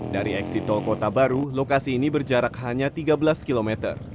dari eksit tol kota baru lokasi ini berjarak hanya tiga belas km